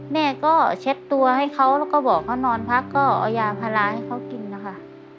แม่ก็เช็ดตัวให้เขาแล้วก็บอกเขานอนพักก็เอายาพาราให้เขากินนะคะ